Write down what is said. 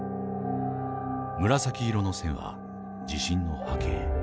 紫色の線は地震の波形。